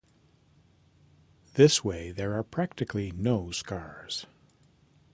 This way there are practically no scars.